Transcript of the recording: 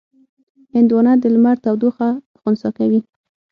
هندوانه د لمر تودوخه خنثی کوي.